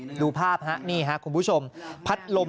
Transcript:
ไม่ดีอันนี้คุณผู้ชมพัดลม